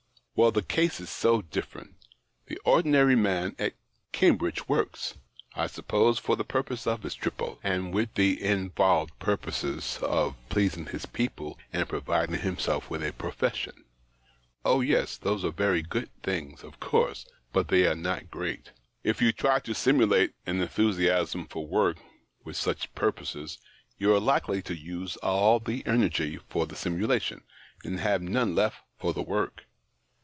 " Well, the case is so different. The ordi nary man at Cambridge works, I suppose, for the purpose of his tripos, and with the in volved purposes of pleasing his people and providing himself with a profession. Oh yes those arc very good things, of course — but 56 THE OCTAVE OF CLAUDIUS. they are not great. If you try to simulate an enthusiasm for work with such purposes, you arc likely to use up all the energy for the simulation, and have none left for the work.